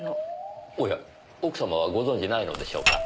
おや奥様はご存じないのでしょうか？